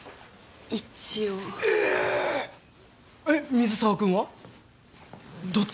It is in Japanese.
えっ水沢君は？どっち？